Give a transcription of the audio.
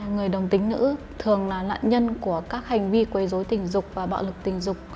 người đồng tính nữ thường là nạn nhân của các hành vi quấy dối tình dục và bạo lực tình dục